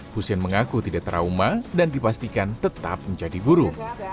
hussein mengaku tidak trauma dan dipastikan tetap menjadi guru